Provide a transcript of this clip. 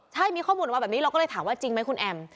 ใช่มีข้อมูลมาแบบนี้เราก็เลยถามว่าจริงไหมคุณแอม